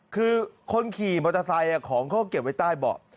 คือคนขี่มอเตอร์ไซค์ของเขาก็เก็บไว้ใต้เบาะ